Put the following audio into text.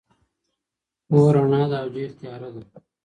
پوهه رڼا ده او جهل تياره ده.